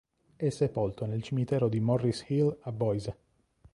È sepolto nel cimitero di Morris Hill a Boise.